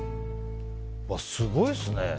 すごいですね。